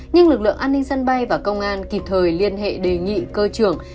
nhưng lực lượng an ninh sân bay và công an kịp thời liên hệ đề nghị cơ trưởng